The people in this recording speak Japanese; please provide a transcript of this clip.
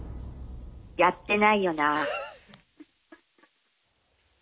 やってないよな？